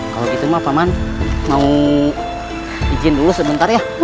kalau gitu mah paman mau izin dulu sebentar ya